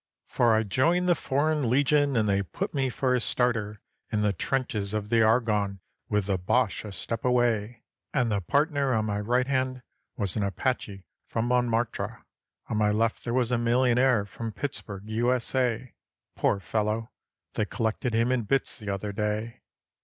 For I joined the Foreign Legion, and they put me for a starter In the trenches of the Argonne with the Boche a step away; And the partner on my right hand was an 'apache' from Montmartre; On my left there was a millionaire from Pittsburg, U. S. A. (Poor fellow! They collected him in bits the other day.)